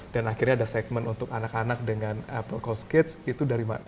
dan akhirnya ada segmen untuk anak anak dengan apple coast kids itu dari mana